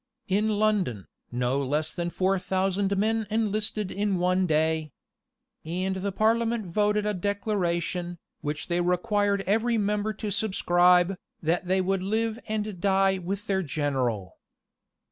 In London, no less than four thousand men enlisted in one day.[] And the parliament voted a declaration, which they required every member to subscribe, that they would live and die with their general.